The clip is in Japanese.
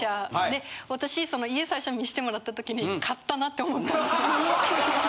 で私その家最初見してもらった時に勝ったなって思ったんですよ。